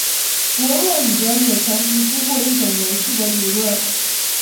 弗洛伊德也曾提出过一种游戏的理论。